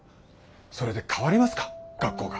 それで変わりますか学校が。